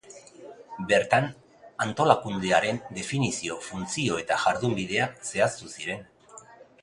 Bertan antolakundearen definizio, funtzio eta jardunbideak zehaztu ziren.